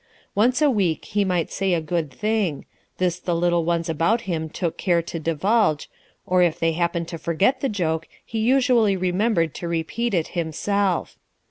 Once a week he might say a good thing: this the little ones about him took care to divulge; or if they happened to forget the joke, he usually remembered to repeat it himself.